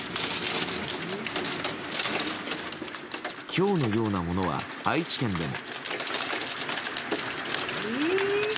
ひょうのようなものは愛知県でも。